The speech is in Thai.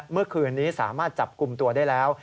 เมื่อคืนนี้สามารถจับกลุ่มตัวได้แล้ว